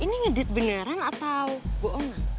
ini ngedate beneran atau bohongan